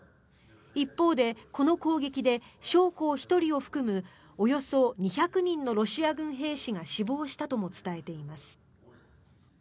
一方でこの攻撃で将校１人を含むおよそ２００人のロシア軍兵士が死亡したとも伝えています。